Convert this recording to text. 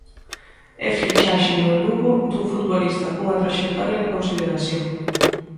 E fichaxe no Lugo dun futbolista cunha traxectoria de consideración.